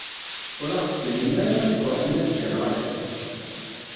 Ur aɣ-d-tennim ara ma ad d-truḥem azekka neɣ ala?